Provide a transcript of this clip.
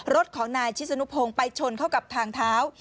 รถของนายชิศนุพงศ์ไปชนเข้ากับทางเท้า